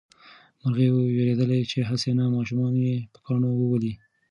مرغۍ وېرېدله چې هسې نه ماشومان یې په کاڼو وولي.